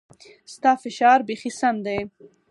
ستا فشار بيخي سم ديه.